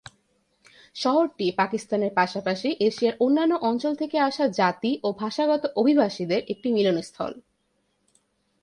শহরটি পাকিস্তানের পাশাপাশি এশিয়ার অন্যান্য অঞ্চল থেকে আসা জাতি ও ভাষাগত অভিবাসীদের একটি মিলনস্থল।